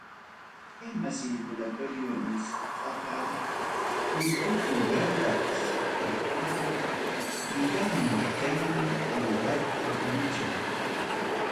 Sistema circulatorio nisqaqa kurkupi yawar sirkakunapa llikanmi, kaymi yawarta purichin.